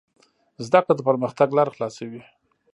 زده کړه د پرمختګ لاره خلاصوي.